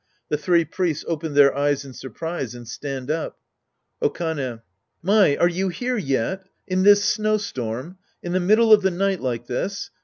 The three priests open their eyes in surprise and stand up.) Okane. My, are you here yet? In this snow storm ? In the middle of the night like this